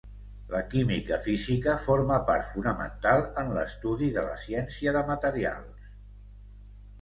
La química física forma part fonamental en l'estudi de la ciència de materials.